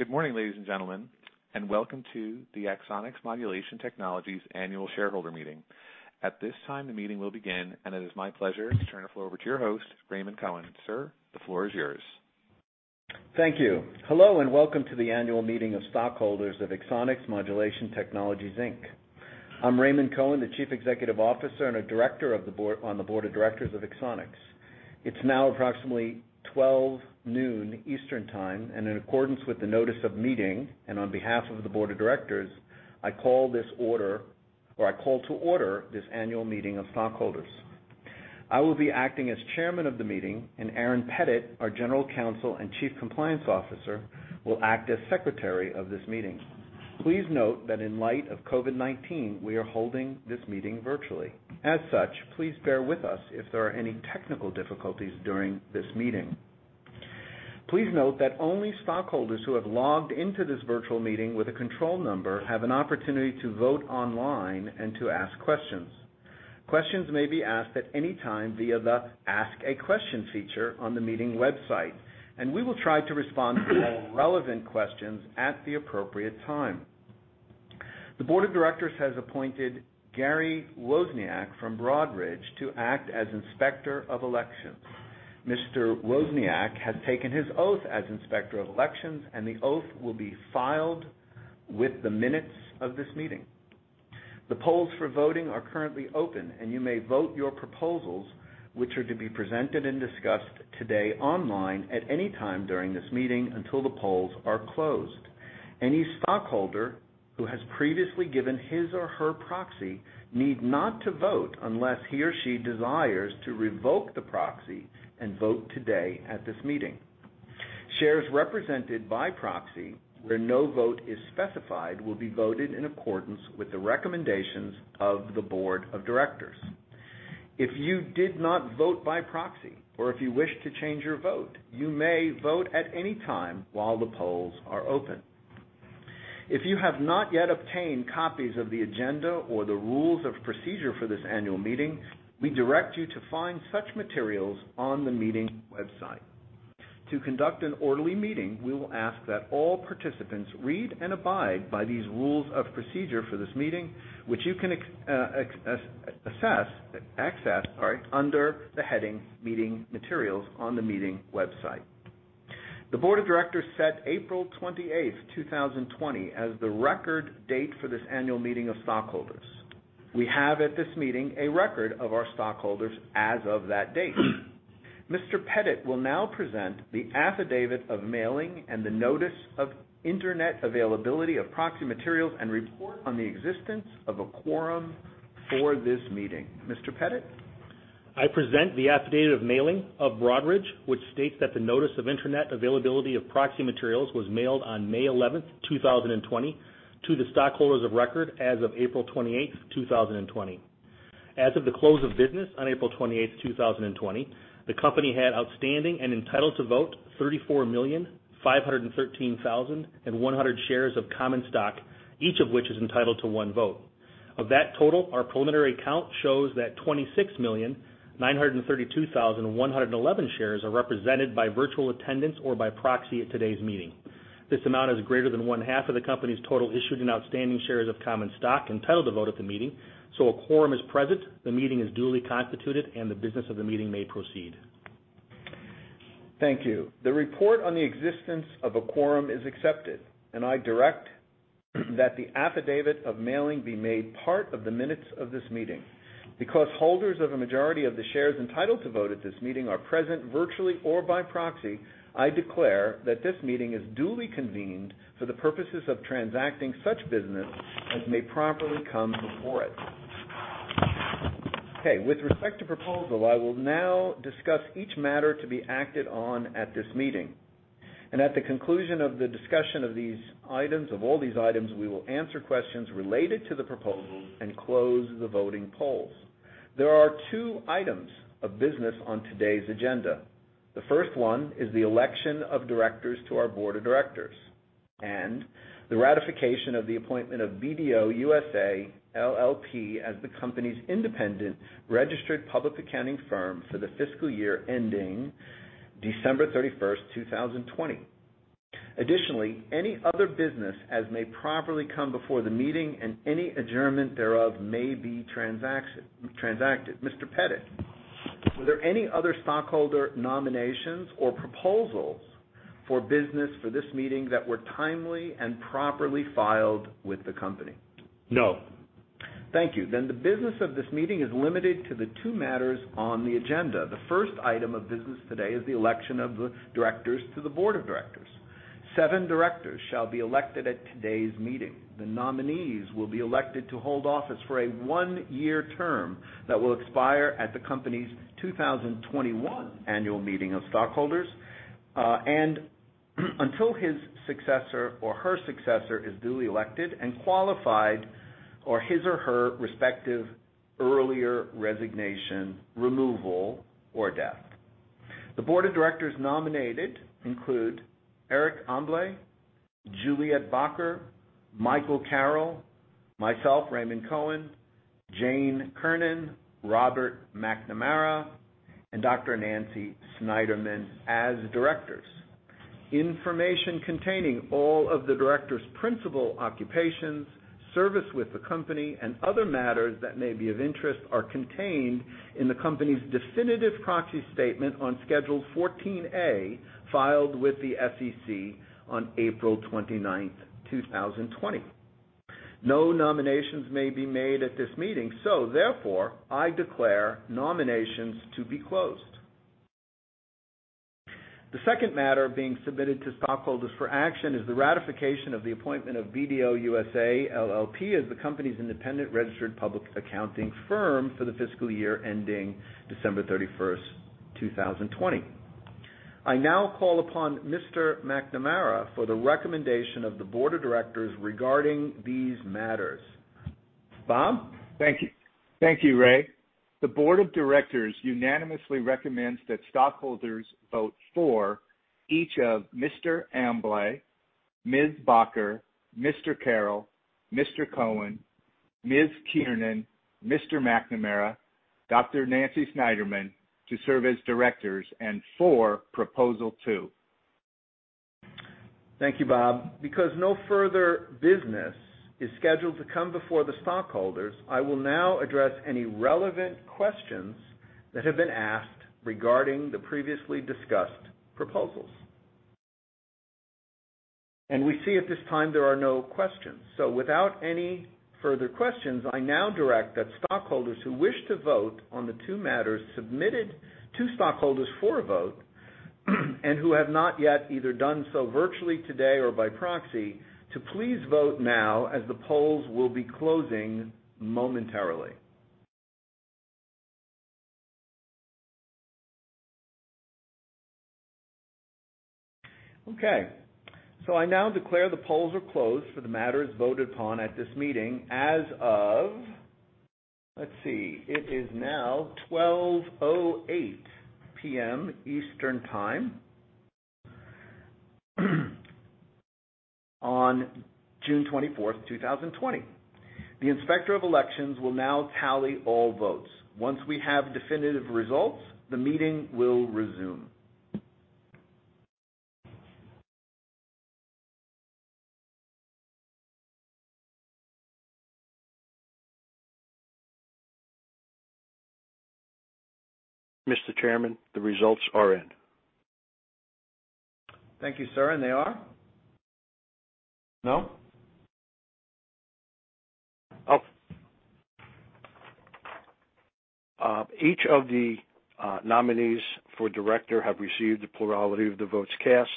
Good morning, ladies and gentlemen, and welcome to the Axonics Modulation Technologies annual shareholder meeting. At this time, the meeting will begin, and it is my pleasure to turn the floor over to your host, Raymond Cohen. Sir, the floor is yours. Thank you. Hello, welcome to the Annual Meeting of Stockholders of Axonics Modulation Technologies, Inc. I'm Raymond Cohen, the Chief Executive Officer and a Director on the Board of Directors of Axonics. It's now approximately 12:00 P.M. Eastern Time, and in accordance with the notice of meeting and on behalf of the Board of Directors, I call to order this Annual Meeting of Stockholders. I will be acting as Chairman of the meeting, and Aaron Pettit, our General Counsel and Chief Compliance Officer, will act as Secretary of this meeting. Please note that in light of COVID-19, we are holding this meeting virtually. As such, please bear with us if there are any technical difficulties during this meeting. Please note that only stockholders who have logged into this virtual meeting with a control number have an opportunity to vote online and to ask questions. Questions may be asked at any time via the Ask a Question feature on the meeting website, and we will try to respond to all relevant questions at the appropriate time. The Board of Directors has appointed Gary Wozniak from Broadridge to act as Inspector of Elections. Mr. Wozniak has taken his oath as Inspector of Elections, and the oath will be filed with the minutes of this meeting. The polls for voting are currently open, and you may vote your proposals, which are to be presented and discussed today online at any time during this meeting until the polls are closed. Any stockholder who has previously given his or her proxy need not to vote unless he or she desires to revoke the proxy and vote today at this meeting. Shares represented by proxy where no vote is specified will be voted in accordance with the recommendations of the Board of Directors. If you did not vote by proxy or if you wish to change your vote, you may vote at any time while the polls are open. If you have not yet obtained copies of the agenda or the Rules of Procedure for this Annual Meeting, we direct you to find such materials on the meeting website. To conduct an orderly meeting, we will ask that all participants read and abide by these Rules of Procedure for this meeting, which you can access under the heading Meeting Materials on the meeting website. The Board of Directors set April 28th, 2020, as the record date for this Annual Meeting of Stockholders. We have at this meeting a record of our stockholders as of that date. Mr. Pettit will now present the affidavit of mailing and the notice of Internet availability of proxy materials and report on the existence of a quorum for this meeting. Mr. Pettit? I present the Affidavit of Mailing of Broadridge, which states that the Notice of Internet Availability of Proxy Materials was mailed on May 11th, 2020, to the stockholders of record as of April 28th, 2020. As of the close of business on April 28th, 2020, the company had outstanding and entitled to vote 34,513,100 shares of common stock, each of which is entitled to one vote. Of that total, our preliminary count shows that 26,932,111 shares are represented by virtual attendance or by proxy at today's meeting. This amount is greater than 17,256,550 shares of the company's total issued and outstanding shares of common stock entitled to vote at the meeting. A quorum is present, the meeting is duly constituted, and the business of the meeting may proceed. Thank you. The report on the existence of a quorum is accepted, and I direct that the affidavit of mailing be made part of the minutes of this meeting. Because holders of a majority of the shares entitled to vote at this meeting are present virtually or by proxy, I declare that this meeting is duly convened for the purposes of transacting such business as may properly come before it. Okay. With respect to proposals, I will now discuss each matter to be acted on at this meeting, and at the conclusion of the discussion of all these items, we will answer questions related to the proposals and close the voting polls. There are two items of business on today's agenda. The first one is the election of Directors to our Board of Directors, and the ratification of the appointment of BDO USA, LLP as the company's independent registered public accounting firm for the fiscal year ending December 31st, 2020. Additionally, any other business as may properly come before the meeting and any adjournment thereof may be transacted. Mr. Pettit, were there any other stockholder nominations or proposals for business for this meeting that were timely and properly filed with the company? No. Thank you. The business of this meeting is limited to the two matters on the agenda. The first item of business today is the election of the Directors to the Board of Directors. Seven directors shall be elected at today's meeting. The nominees will be elected to hold office for a one-year term that will expire at the company's 2021 Annual Meeting of Stockholders, and until his successor or her successor is duly elected and qualified or his or her respective earlier resignation, removal, or death. The Board of Directors nominated include Erik Amble, Juliet Bakker, Michael Carrel, myself, Raymond Cohen, Jane Kiernan, Robert McNamara, and Dr. Nancy Snyderman as Directors. Information containing all of the directors' principal occupations, service with the company, and other matters that may be of interest are contained in the company's definitive Proxy Statement on Schedule 14A, filed with the SEC on April 29th, 2020. No nominations may be made at this meeting; therefore, I declare nominations to be closed. The second matter being submitted to stockholders for action is the ratification of the appointment of BDO USA, LLP as the company's independent registered public accounting firm for the fiscal year ending December 31st, 2020. I now call upon Mr. McNamara for the recommendation of the Board of Directors regarding these matters. Bob? Thank you, Ray. The Board of Directors unanimously recommends that stockholders vote for each of Mr. Amble, Ms. Bakker, Mr. Carrel, Mr. Cohen, Ms. Kiernan, Mr. McNamara, Dr. Nancy Snyderman to serve as Directors and for Proposal 2. Thank you, Bob. Because no further business is scheduled to come before the stockholders, I will now address any relevant questions that have been asked regarding the previously discussed proposals. We see at this time there are no questions. Without any further questions, I now direct that stockholders who wish to vote on the two matters submitted to stockholders for a vote and who have not yet either done so virtually today or by proxy, to please vote now as the polls will be closing momentarily. Okay. I now declare the polls are closed for the matters voted upon at this meeting as of, let's see, it is now 12:08 P.M. Eastern Time on June 24th, 2020. The Inspector of Elections will now tally all votes. Once we have definitive results, the meeting will resume. Mr. Chairman, the results are in. Thank you, sir. They are? No? Oh. Each of the nominees for Director have received a plurality of the votes cast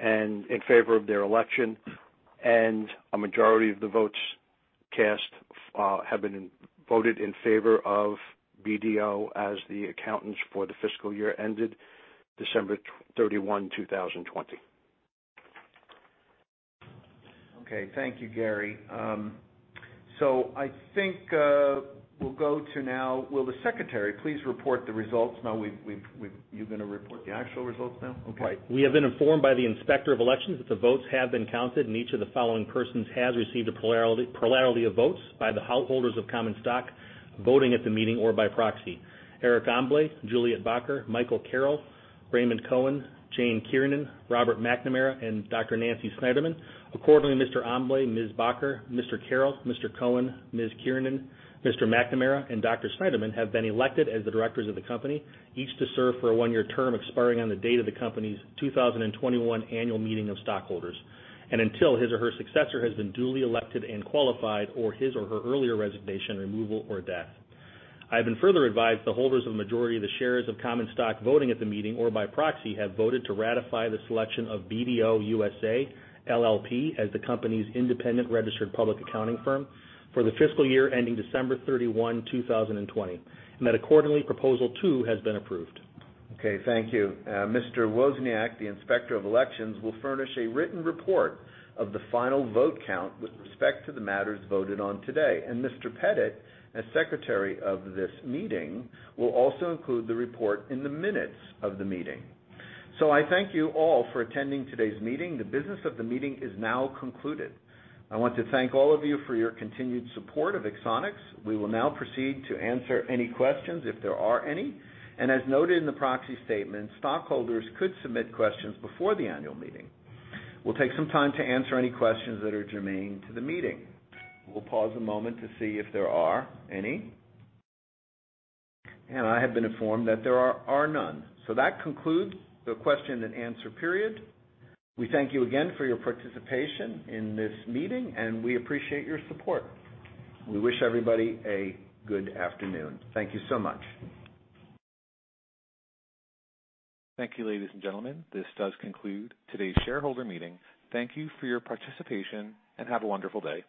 in favor of their election. A majority of the votes cast have been voted in favor of BDO as the accountants for the fiscal year ended December 31, 2020. Okay. Thank you, Gary. I think we'll go to now. Will the Secretary please report the results? Now you're going to report the actual results now? Okay. Right. We have been informed by the Inspector of Elections that the votes have been counted, and each of the following persons has received a plurality of votes by the holders of common stock voting at the meeting or by proxy: Erik Amble, Juliet Bakker, Michael Carrel, Raymond Cohen, Jane Kiernan, Robert McNamara, and Dr. Nancy Snyderman. Accordingly, Mr. Amble, Ms. Bakker, Mr. Carrel, Mr. Cohen, Ms. Kiernan, Mr. McNamara, and Dr. Snyderman have been elected as the Directors of the company, each to serve for a one-year term expiring on the date of the company's 2021 Annual Meeting of Stockholders, and until his or her successor has been duly elected and qualified, or his or her earlier resignation, removal, or death. I have been further advised the holders of the majority of the shares of common stock voting at the meeting, or by proxy, have voted to ratify the selection of BDO USA, LLP as the company's independent registered public accounting firm for the fiscal year ending December 31, 2020, that, accordingly, Proposal 2 has been approved. Okay, thank you. Mr. Wozniak, the Inspector of Elections, will furnish a written report of the final vote count with respect to the matters voted on today, and Mr. Pettit, as Secretary of this meeting, will also include the report in the minutes of the meeting. I thank you all for attending today's meeting. The business of the meeting is now concluded. I want to thank all of you for your continued support of Axonics. We will now proceed to answer any questions, if there are any. As noted in the Proxy Statement, stockholders could submit questions before the annual meeting. We'll take some time to answer any questions that are germane to the meeting. We'll pause a moment to see if there are any. I have been informed that there are none. That concludes the question and answer period. We thank you again for your participation in this meeting. We appreciate your support. We wish everybody a good afternoon. Thank you so much. Thank you, ladies and gentlemen. This does conclude today's shareholder meeting. Thank you for your participation, and have a wonderful day.